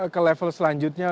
ke level selanjutnya